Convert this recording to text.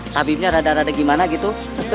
habibnya rada rada gimana gitu